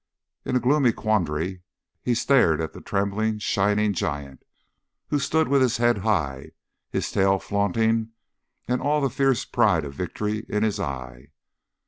In a gloomy quandary he stared at the trembling, shining giant, who stood with his head high and his tail flaunting, and all the fierce pride of victory in his eye.